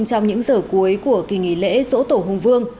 trong những giờ cuối của kỳ nghỉ lễ sổ tổ hùng vương